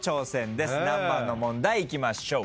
何番の問題いきましょう？